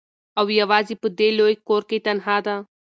او یوازي په دې لوی کور کي تنهاده